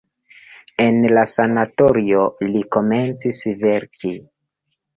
En la sanatorio li komencis verki.